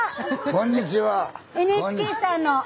こんにちは！